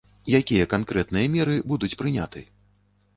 Якія канкрэтныя меры будуць прыняты?